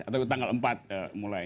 atau tanggal empat mulai